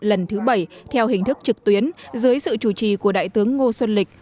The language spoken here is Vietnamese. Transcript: lần thứ bảy theo hình thức trực tuyến dưới sự chủ trì của đại tướng ngô xuân lịch